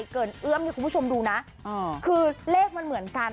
เกือบแล้วเกือบแล้ว